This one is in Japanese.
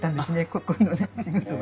ここのね仕事が。